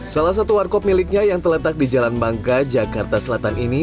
salah satu warkop miliknya yang terletak di jalan bangka jakarta selatan ini